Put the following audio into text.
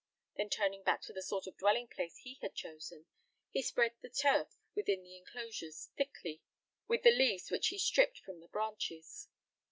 Then turning back to the sort of dwelling place he had chosen, he spread the turf within the enclosures thickly with the leaves which he stripped from the branches.